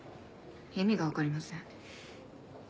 意味が分かりません。